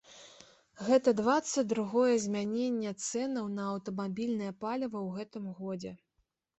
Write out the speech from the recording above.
Гэта дваццаць другое змяненне цэнаў на аўтамабільнае паліва ў гэтым годзе.